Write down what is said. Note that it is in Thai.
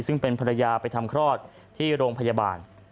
ซึ่งเป็นภรรยาไปทำคลอดที่โรงพยาบาล